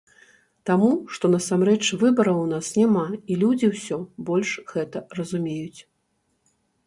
Таму, што насамрэч выбараў у нас няма, і людзі ўсё больш гэта разумеюць.